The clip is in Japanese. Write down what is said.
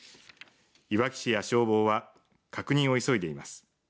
いわき市や消防は確認を急いでいます。